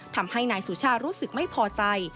ทำให้นายสุชารู้สึกไม่พอใจ